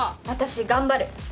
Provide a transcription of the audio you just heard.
私頑張る。